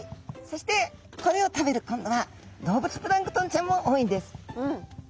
そしてこれを食べる今度は動物プランクトンちゃんも多いんです。